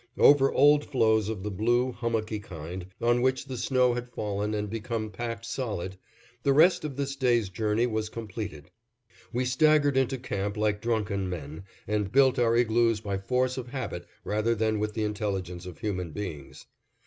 Over old floes of the blue, hummocky kind, on which the snow had fallen and become packed solid, the rest of this day's journey was completed. We staggered into camp like drunken men, and built our igloos by force of habit rather than with the intelligence of human beings.